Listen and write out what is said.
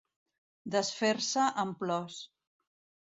Desfer-se en plors.